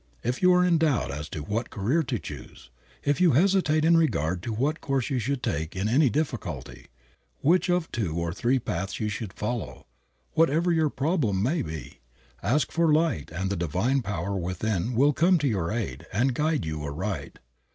If you are in doubt as to what career to choose; if you hesitate in regard to what course you should take in any difficulty, which of two or three paths you should follow, whatever your problem may be, ask for light and the divine power within will come to your aid and guide you aright.